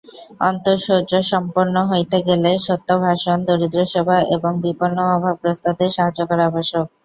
অন্তঃশৌচসম্পন্ন হইতে গেলে সত্যভাষণ, দরিদ্রসেবা এবং বিপন্ন ও অভাবগ্রস্তদের সাহায্য করা আবশ্যক।